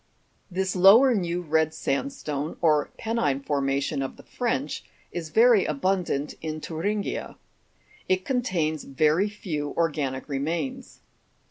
24. This lower new red sandstone, or penine formation of the French, is very abundant in Thuringia. It contains very few organic remains.